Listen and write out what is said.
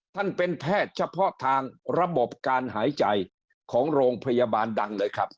ท่านเป็นแพทย์เฉพาะทางระบบการหายใจของโรงพยาบาลดังเลยครับ